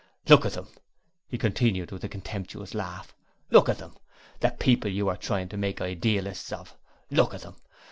'Look at them!' he continued with a contemptuous laugh. 'Look at them! the people you are trying to make idealists of! Look at them!